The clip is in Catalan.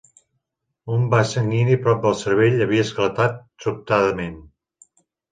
Un vas sanguini prop del cervell havia esclatat sobtadament.